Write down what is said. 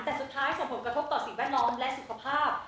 แต่สุดท้ายส่งผลกระทบต่อสิ่งแวดล้อมและสุขภาพ